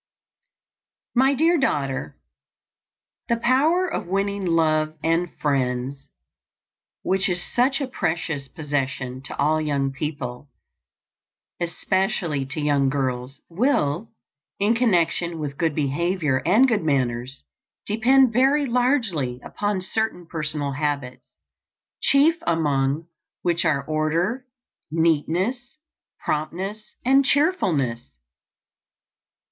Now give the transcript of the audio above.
My Dear Daughter: The power of winning love and friends, which is such a precious possession to all young people especially to young girls, will, in connection with good behavior and good manners, depend very largely upon certain personal habits, chief among which are order, neatness, promptness, and cheerfulness.